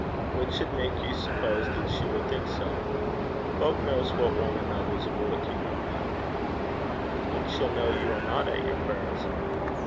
'What should make you suppose that she will think so?' 'Fowk kens what ane anither's aboot, ye ken, mem.' 'Then she'll know you are not at your prayers.'